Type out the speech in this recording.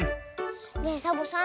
ねえサボさん